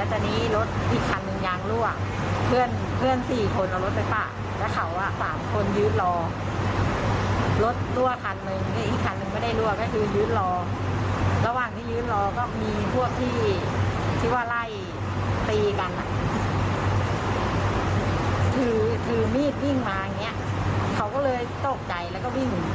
ถือมีดวิ่งมาอย่างนี้เขาก็เลยตกใจแล้วก็วิ่ง